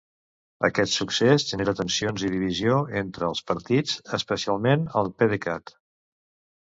Aquest succés genera tensions i divisió entre els partits, especialment al PDeCAT.